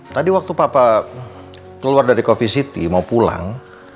tadi waktu papa keluar dari coffee city mau pulang